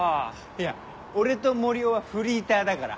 いや俺と森生はフリーターだから。